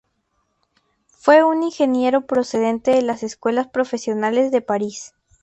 Fue un ingeniero procedente de las Escuelas profesionales de París.